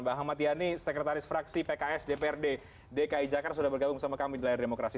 bang ahmad yani sekretaris fraksi pks dprd dki jakarta sudah bergabung sama kami di layar demokrasi